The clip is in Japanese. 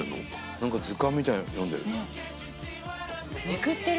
何か図鑑みたいの読んでる・